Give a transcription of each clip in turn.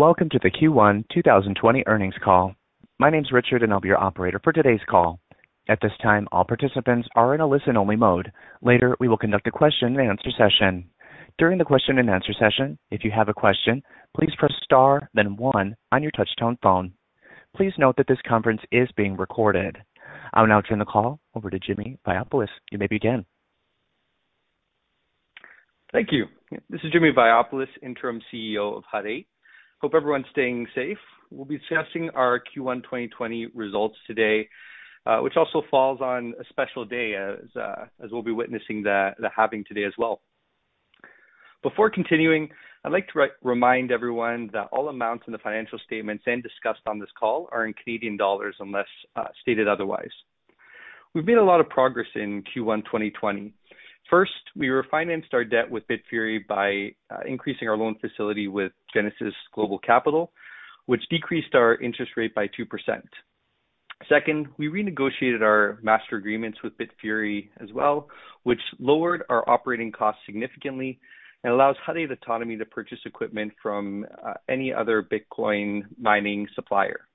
Welcome to the Q1 2020 earnings call. My name's Richard, and I'll be your operator for today's call. At this time, all participants are in a listen-only mode. Later, we will conduct a question-and-answer session. During the question and answer session, if you have a question, please press star then one on your touch-tone phone. Please note that this conference is being recorded. I will now turn the call over to Jimmy Vaiopoulos. You may begin. Thank you. This is Jimmy Vaiopoulos, Interim CEO of Hut 8. Hope everyone's staying safe. We'll be discussing our Q1 2020 results today, which also falls on a special day as we'll be witnessing the halving today as well. Before continuing, I'd like to remind everyone that all amounts in the financial statements and discussed on this call are in Canadian dollars unless stated otherwise. We've made a lot of progress in Q1 2020. First, we refinanced our debt with Bitfury by increasing our loan facility with Genesis Global Capital, which decreased our interest rate by 2%. Second, we renegotiated our master agreements with Bitfury as well, which lowered our operating costs significantly and allows Hut 8 autonomy to purchase equipment from any other Bitcoin mining supplier.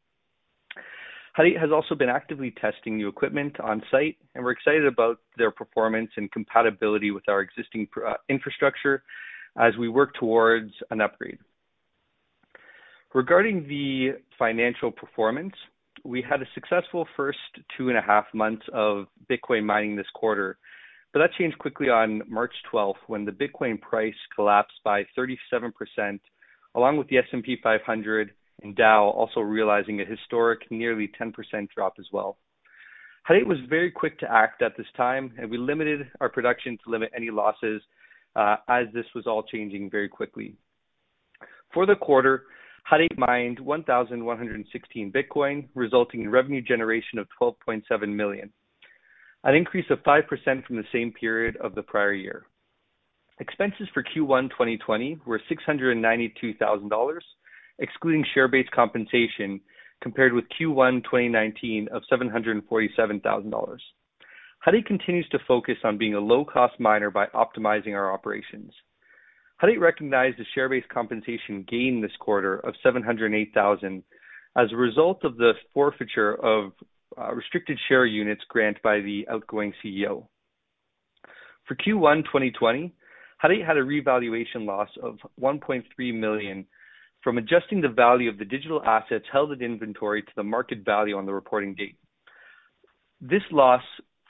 Hut 8 has also been actively testing new equipment on-site. We're excited about their performance and compatibility with our existing infrastructure as we work towards an upgrade. Regarding the financial performance, we had a successful first two and a half months of Bitcoin mining this quarter. That changed quickly on March 12th when the Bitcoin price collapsed by 37%, along with the S&P 500 and Dow also realizing a historic nearly 10% drop as well. Hut 8 was very quick to act at this time. We limited our production to limit any losses, as this was all changing very quickly. For the quarter, Hut 8 mined 1,116 Bitcoin, resulting in revenue generation of 12.7 million, an increase of 5% from the same period of the prior year. Expenses for Q1 2020 were 692,000 dollars, excluding share-based compensation, compared with Q1 2019 of 747,000 dollars. Hut 8 continues to focus on being a low-cost miner by optimizing our operations. Hut 8 recognized a share-based compensation gain this quarter of 708,000 as a result of the forfeiture of restricted share units grant by the outgoing CEO. For Q1 2020, Hut 8 had a revaluation loss of 1.3 million from adjusting the value of the digital assets held in inventory to the market value on the reporting date. This loss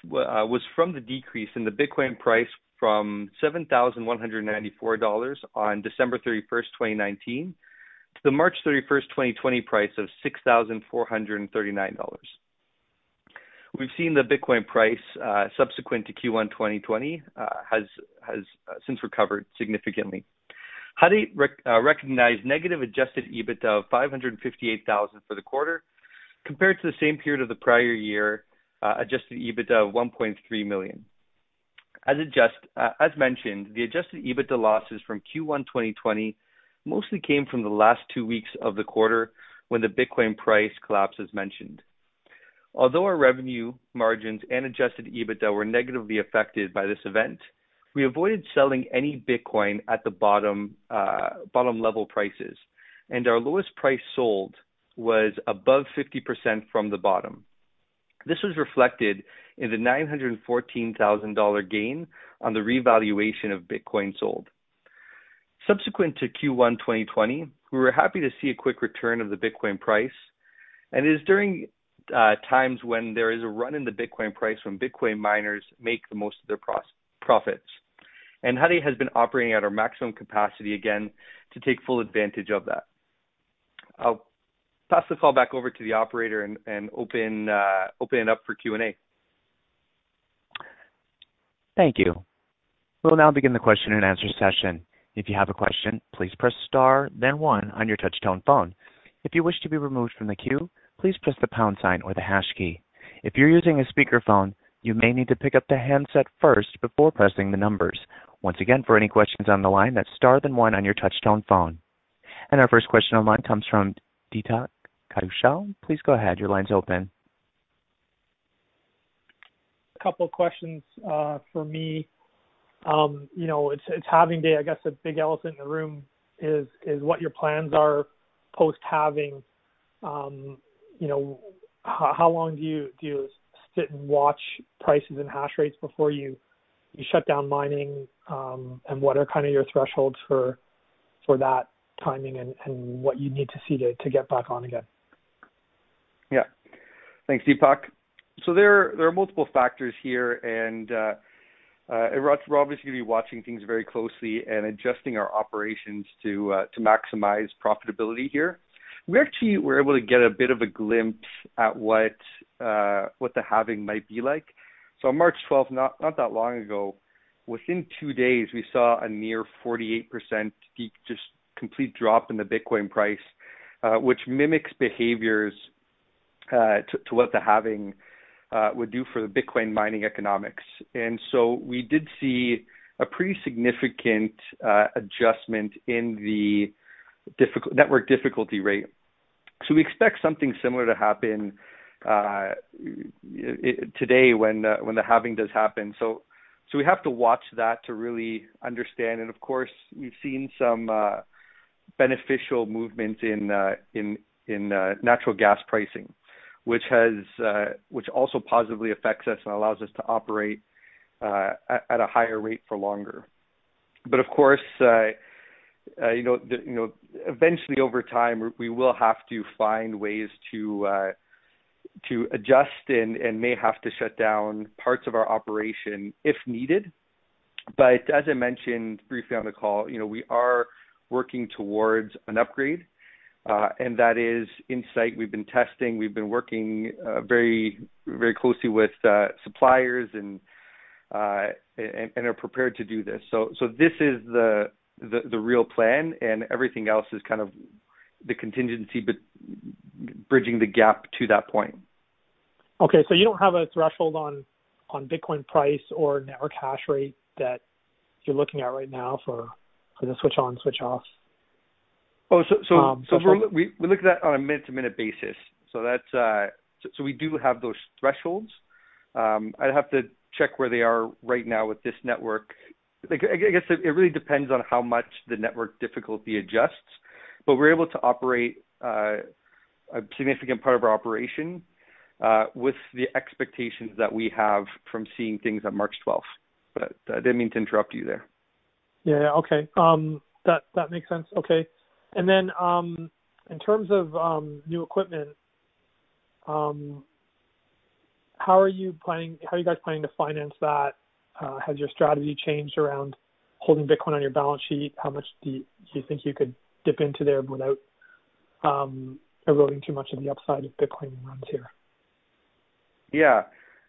was from the decrease in the Bitcoin price from CAD 7,194 on December 31st, 2019, to the March 31st, 2020, price of CAD 6,439. We've seen the Bitcoin price subsequent to Q1 2020 has since recovered significantly. Hut 8 recognized negative adjusted EBITDA of 558,000 for the quarter, compared to the same period of the prior year adjusted EBITDA of 1.3 million. As mentioned, the adjusted EBITDA losses from Q1 2020 mostly came from the last two weeks of the quarter when the Bitcoin price collapsed as mentioned. Our revenue margins and adjusted EBITDA were negatively affected by this event, we avoided selling any Bitcoin at the bottom level prices, and our lowest price sold was above 50% from the bottom. This was reflected in the 914,000 dollar gain on the revaluation of Bitcoin sold. Subsequent to Q1 2020, we were happy to see a quick return of the Bitcoin price, it is during times when there is a run in the Bitcoin price when Bitcoin miners make the most of their profits. Hut 8 has been operating at our maximum capacity again to take full advantage of that. I'll pass the call back over to the operator and open it up for Q&A. Thank you. We'll now begin the question-and-answer session. If you have a question, please press star then one on your touch-tone phone. If you wish to be removed from the queue, please press the pound sign or the hash key. If you're using a speakerphone, you may need to pick up the handset first before pressing the numbers. Once again, for any questions on the line, that's star then one on your touch-tone phone. Our first question on line comes from Deepak Kaushal. Please go ahead. Your line's open. A couple of questions for me. It's halving day. I guess the big elephant in the room is what your plans are post-halving. How long do you sit and watch prices and hash rates before you shut down mining? What are your thresholds for that timing and what you need to see to get back on again? Yeah. Thanks, Deepak. There are multiple factors here, and we're obviously going to be watching things very closely and adjusting our operations to maximize profitability here. We actually were able to get a bit of a glimpse at what the halving might be like. On March 12th, not that long ago, within two days, we saw a near 48% just complete drop in the Bitcoin price, which mimics behaviors to what the halving would do for the Bitcoin mining economics. We did see a pretty significant adjustment in the network difficulty rate. We expect something similar to happen today when the halving does happen. We have to watch that to really understand, and of course, we've seen some beneficial movement in natural gas pricing, which also positively affects us and allows us to operate at a higher rate for longer. Of course, eventually over time, we will have to find ways to adjust and may have to shut down parts of our operation if needed. As I mentioned briefly on the call, we are working towards an upgrade, and that is in sight. We've been testing, we've been working very closely with suppliers and are prepared to do this. This is the real plan, and everything else is kind of the contingency bridging the gap to that point. Okay, you don't have a threshold on Bitcoin price or net or hash rate that you're looking at right now for the switch on, switch off? We look at that on a minute-to-minute basis. We do have those thresholds. I'd have to check where they are right now with this network. I guess it really depends on how much the network difficulty adjusts, but we're able to operate a significant part of our operation with the expectations that we have from seeing things on March 12th. I didn't mean to interrupt you there. Yeah. Okay. That makes sense. Okay. In terms of new equipment, how are you guys planning to finance that? Has your strategy changed around holding Bitcoin on your balance sheet? How much do you think you could dip into there without eroding too much of the upside of Bitcoin runs here? Yeah.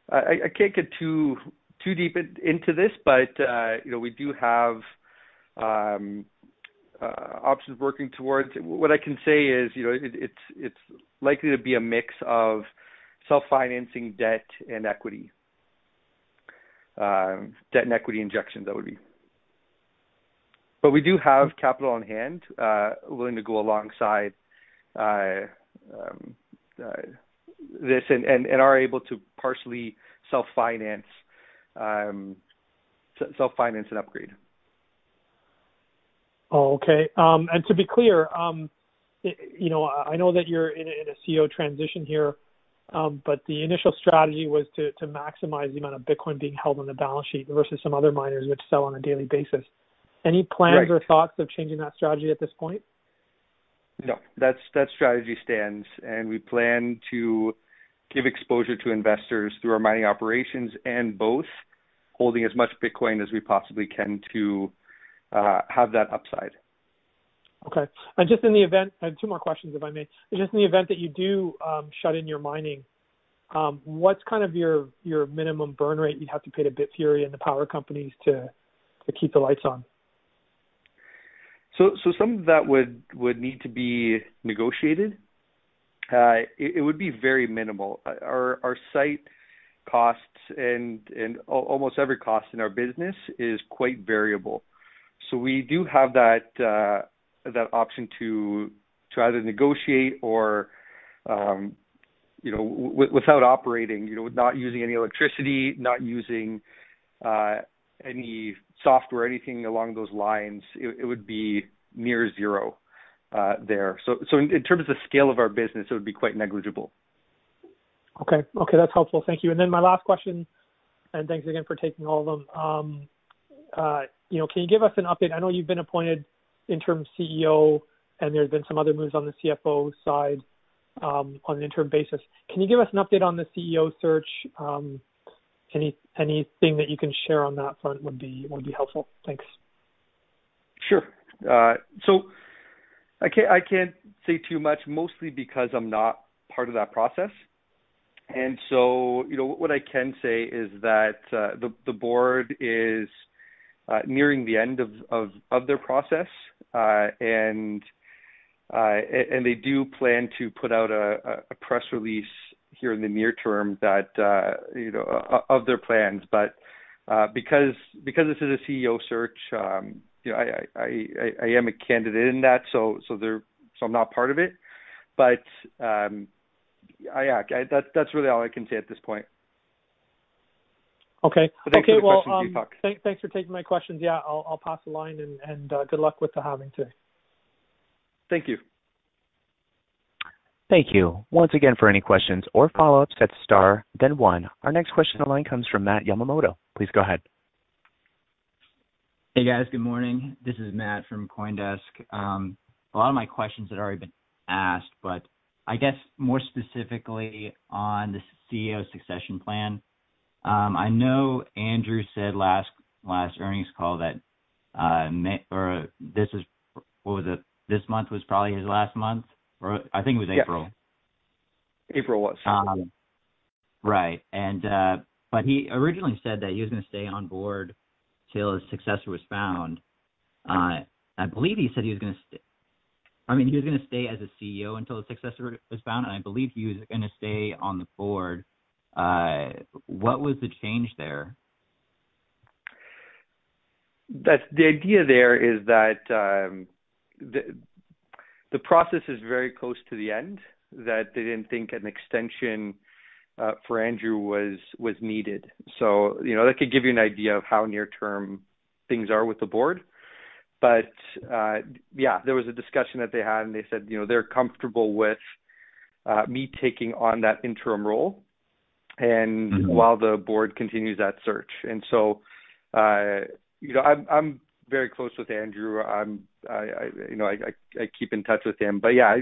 I can't get too deep into this, but we do have options working towards it. What I can say is it's likely to be a mix of self-financing debt and equity. Debt and equity injections, that would be. We do have capital on hand, willing to go alongside this and are able to partially self-finance an upgrade. Oh, okay. To be clear, I know that you're in a CEO transition here. The initial strategy was to maximize the amount of Bitcoin being held on the balance sheet versus some other miners which sell on a daily basis. Right. Any plans or thoughts of changing that strategy at this point? No. That strategy stands. We plan to give exposure to investors through our mining operations and both holding as much Bitcoin as we possibly can to have that upside. Okay. I have two more questions, if I may. Just in the event that you do shut in your mining, what's your minimum burn rate you'd have to pay to Bitfury and the power companies to keep the lights on? Some of that would need to be negotiated. It would be very minimal. Our site costs and almost every cost in our business is quite variable. We do have that option to either negotiate or without operating, not using any electricity, not using any software or anything along those lines, it would be near zero there. In terms of scale of our business, it would be quite negligible. Okay. That's helpful. Thank you. My last question, and thanks again for taking all of them. Can you give us an update? I know you've been appointed interim CEO, and there's been some other moves on the CFO side on an interim basis. Can you give us an update on the CEO search? Anything that you can share on that front would be helpful. Thanks. Sure. I can't say too much, mostly because I'm not part of that process. What I can say is that the board is nearing the end of their process. They do plan to put out a press release here in the near term of their plans. Because this is a CEO search, I am a candidate in that, so I'm not part of it. That's really all I can say at this point. Okay. Thanks for the questions, Deepak. Thanks for taking my questions. Yeah. I will pass the line, and good luck with the halving too. Thank you. Thank you. Once again, for any questions or follow-ups, hit star then one. Our next question on the line comes from Matt Yamamoto. Please go ahead. Hey, guys. Good morning. This is Matt from CoinDesk. A lot of my questions had already been asked, I guess more specifically on the CEO succession plan. I know Andrew said last earnings call that this month was probably his last month, or I think it was April. April it was. Right. He originally said that he was going to stay on board till his successor was found. I believe he said he was going to stay as a CEO until the successor was found, and I believe he was going to stay on the board. What was the change there? The idea there is that the process is very close to the end, that they didn't think an extension for Andrew was needed. That could give you an idea of how near-term things are with the board. Yeah, there was a discussion that they had, and they said they're comfortable with me taking on that interim role. while the board continues that search. I'm very close with Andrew. I keep in touch with him. Yeah,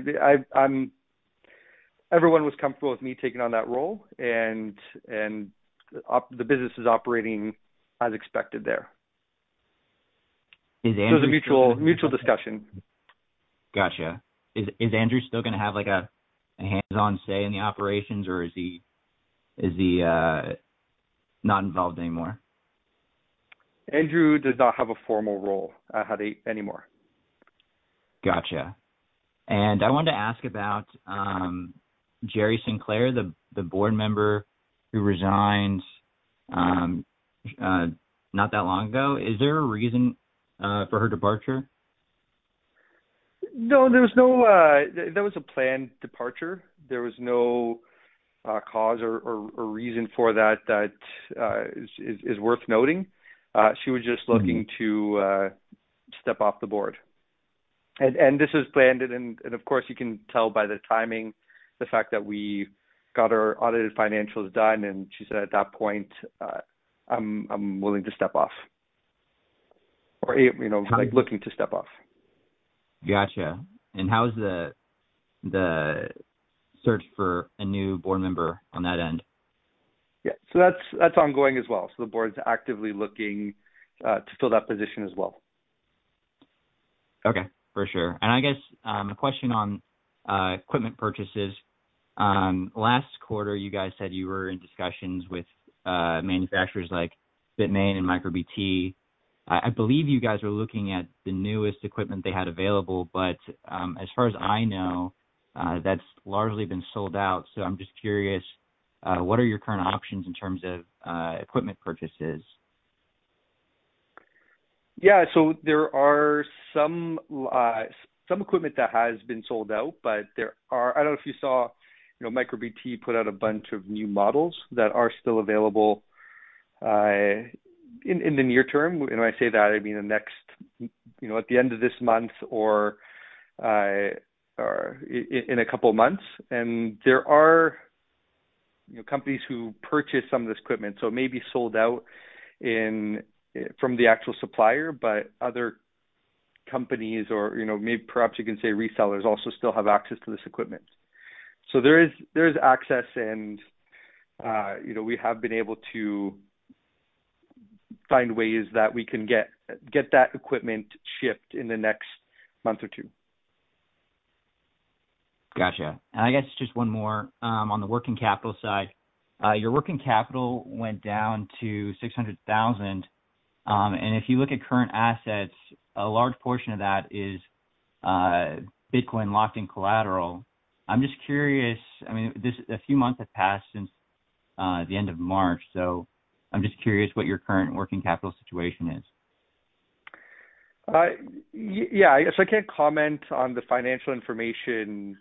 everyone was comfortable with me taking on that role and the business is operating as expected there. Is Andrew It was a mutual discussion. Got you. Is Andrew still going to have a hands-on say in the operations, or is he not involved anymore? Andrew does not have a formal role at Hut 8 anymore. Got you. I wanted to ask about Gerri Sinclair, the board member who resigned not that long ago. Is there a reason for her departure? No, that was a planned departure. There was no cause or reason for that that is worth noting. She was just looking to step off the board. This was planned, and of course, you can tell by the timing, the fact that we got our audited financials done, and she said at that point, "I'm willing to step off," or, "I'm looking to step off. Got you. How's the search for a new board member on that end? Yeah. That's ongoing as well. The board's actively looking to fill that position as well. Okay. For sure. I guess a question on equipment purchases. Last quarter, you guys said you were in discussions with manufacturers like BITMAIN and MicroBT. I believe you guys were looking at the newest equipment they had available, but as far as I know, that's largely been sold out. I'm just curious, what are your current options in terms of equipment purchases? Yeah. There are some equipment that has been sold out, but there are I don't know if you saw, MicroBT put out a bunch of new models that are still available in the near term. When I say that, I mean at the end of this month or in a couple of months. There are companies who purchase some of this equipment. It may be sold out from the actual supplier, but other companies or maybe perhaps you can say resellers also still have access to this equipment. There is access and we have been able to find ways that we can get that equipment shipped in the next month or two. Got you. I guess just one more on the working capital side. Your working capital went down to 600,000. If you look at current assets, a large portion of that is Bitcoin locked in collateral. I'm just curious, a few months have passed since the end of March, I'm just curious what your current working capital situation is. I can't comment on the financial information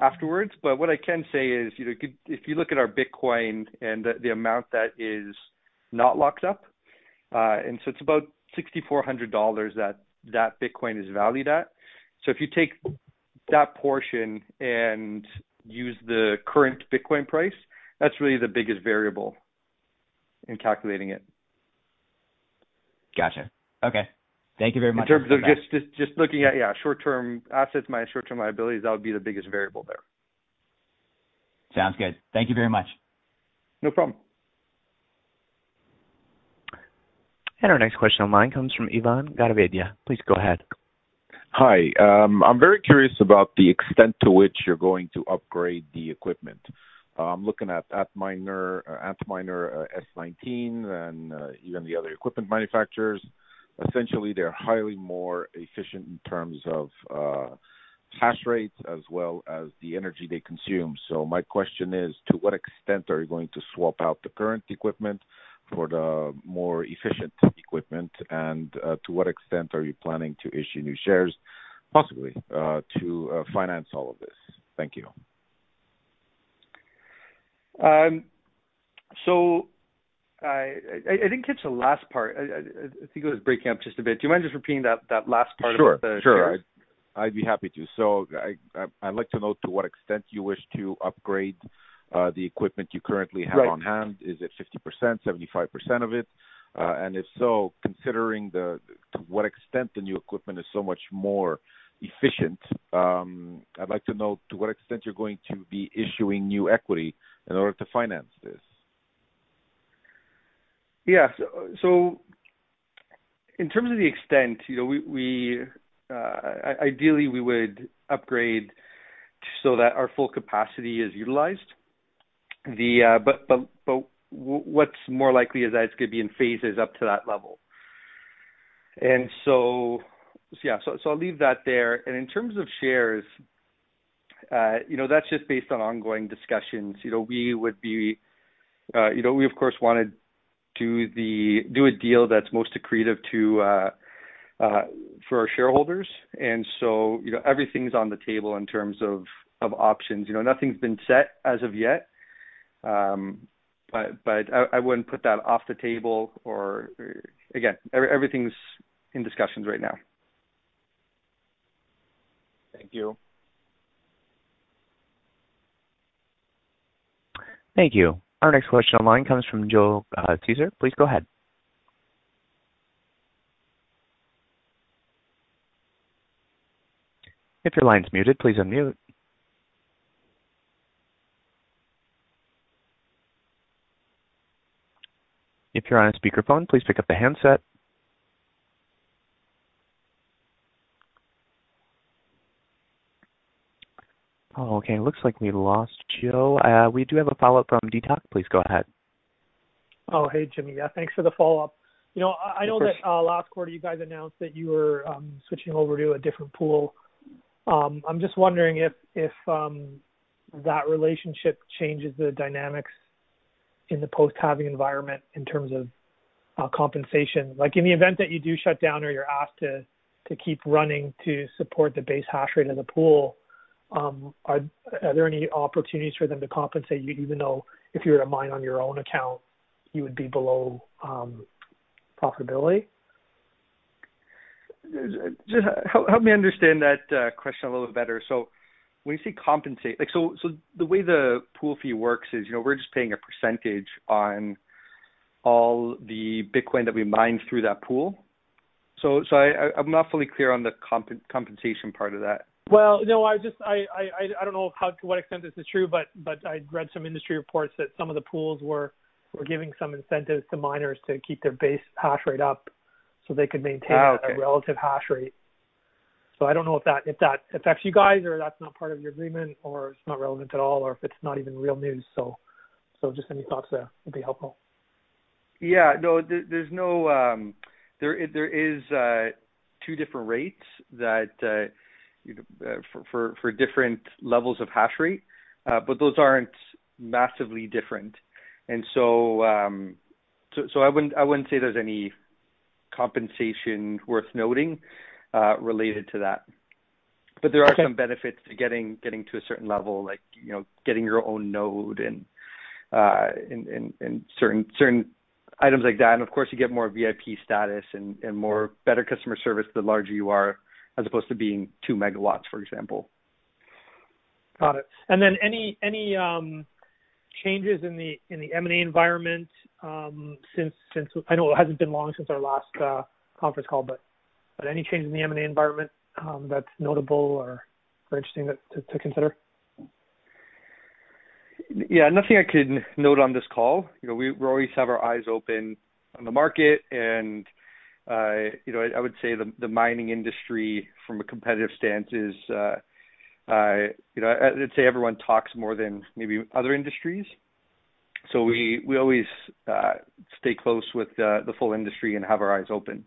afterwards, but what I can say is if you look at our Bitcoin and the amount that is not locked up, it's about 6,400 dollars that that Bitcoin is valued at. If you take that portion and use the current Bitcoin price, that's really the biggest variable in calculating it. Got you. Okay. Thank you very much for that. In terms of just looking at, yeah, short-term assets, my short-term liabilities, that would be the biggest variable there. Sounds good. Thank you very much. No problem. Our next question online comes from [Ivan Gaviria]. Please go ahead. Hi. I'm very curious about the extent to which you're going to upgrade the equipment. I'm looking at ANTMINER S19 and even the other equipment manufacturers. Essentially, they're highly more efficient in terms of hash rates as well as the energy they consume. My question is, to what extent are you going to swap out the current equipment for the more efficient equipment? To what extent are you planning to issue new shares, possibly, to finance all of this? Thank you. I didn't catch the last part. I think it was breaking up just a bit. Do you mind just repeating that last part about the shares? Sure. I'd be happy to. I'd like to know to what extent you wish to upgrade the equipment you currently have on hand. Right. Is it 50%, 75% of it? If so, considering to what extent the new equipment is so much more efficient, I'd like to know to what extent you're going to be issuing new equity in order to finance this. Yeah. In terms of the extent, ideally we would upgrade so that our full capacity is utilized. What's more likely is that it's going to be in phases up to that level. Yeah. I'll leave that there. In terms of shares. That's just based on ongoing discussions. We, of course, want to do a deal that's most accretive for our shareholders. Everything's on the table in terms of options. Nothing's been set as of yet. I wouldn't put that off the table or, again, everything's in discussions right now. Thank you. Thank you. Our next question online comes from [Joe Cesar]. Please go ahead. If your line's muted, please unmute. If you're on a speaker phone, please pick up the handset. Oh, okay, it looks like we lost Joe. We do have a follow-up from Deepak. Please go ahead. Oh, hey, Jimmy. Yeah, thanks for the follow-up. Of course. I know that last quarter you guys announced that you were switching over to a different pool. I am just wondering if that relationship changes the dynamics in the post-halving environment in terms of compensation. In the event that you do shut down or you are asked to keep running to support the base hash rate of the pool, are there any opportunities for them to compensate you even though if you were to mine on your own account, you would be below profitability? Just help me understand that question a little bit better. When you say compensate, the way the pool fee works is, we're just paying a percentage on all the Bitcoin that we mine through that pool. I'm not fully clear on the compensation part of that. No, I don't know to what extent this is true, but I read some industry reports that some of the pools were giving some incentives to miners to keep their base hash rate up so they could maintain. Oh, okay. a relative hash rate. I don't know if that affects you guys or that's not part of your agreement, or it's not relevant at all, or if it's not even real news. Just any thoughts there would be helpful. Yeah. There is two different rates for different levels of hash rate. Those aren't massively different. I wouldn't say there's any compensation worth noting related to that. Okay. There are some benefits to getting to a certain level, like getting your own node and certain items like that. Of course, you get more VIP status and more better customer service the larger you are, as opposed to being 2 MW, for example. Got it. Then any changes in the M&A environment since, I know it hasn't been long since our last conference call, but any changes in the M&A environment that's notable or interesting to consider? Yeah, nothing I could note on this call. We always have our eyes open on the market, and I would say the mining industry from a competitive stance is, I'd say everyone talks more than maybe other industries. We always stay close with the full industry and have our eyes open.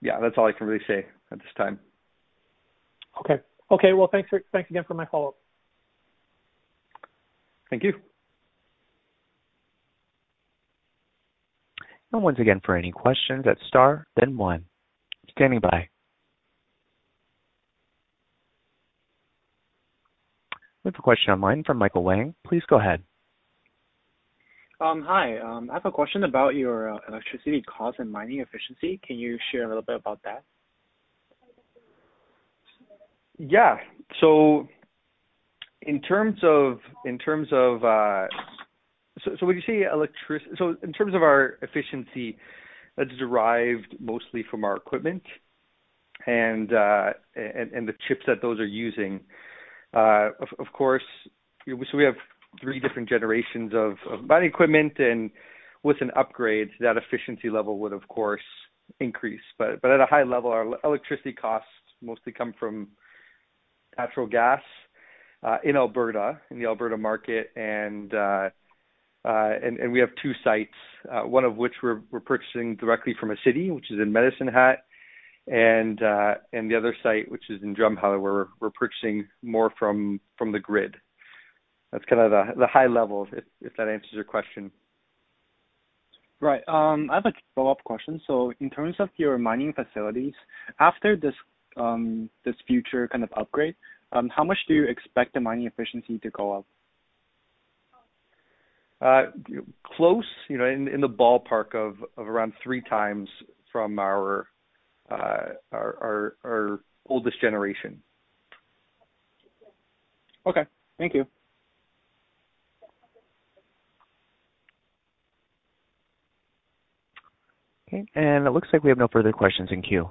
Yeah, that's all I can really say at this time. Okay. Well, thanks again for my follow-up. Thank you. Once again, for any questions, that's star then one. Standing by. We have a question online from Michael Wang. Please go ahead. Hi. I have a question about your electricity cost and mining efficiency. Can you share a little bit about that? When you say electricity, in terms of our efficiency, that's derived mostly from our equipment and the chips that those are using. Of course, we have three different generations of mining equipment, and with an upgrade, that efficiency level would of course increase. At a high level, our electricity costs mostly come from natural gas in Alberta, in the Alberta market. We have two sites, one of which we're purchasing directly from a city which is in Medicine Hat. The other site, which is in Drumheller, we're purchasing more from the grid. That's kind of the high level, if that answers your question. Right. I have a follow-up question. In terms of your mining facilities, after this future kind of upgrade, how much do you expect the mining efficiency to go up? Close, in the ballpark of around three times from our oldest generation. Okay. Thank you. Okay, it looks like we have no further questions in queue.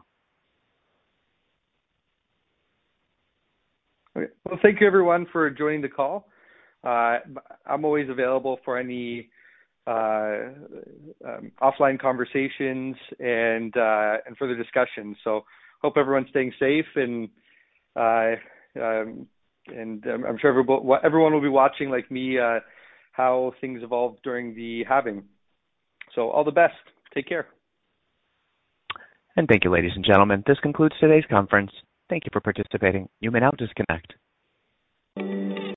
Okay. Well, thank you everyone for joining the call. I'm always available for any offline conversations and further discussions. Hope everyone's staying safe, and I'm sure everyone will be watching, like me, how things evolve during the halving. All the best. Take care. Thank you, ladies and gentlemen. This concludes today's conference. Thank you for participating. You may now disconnect.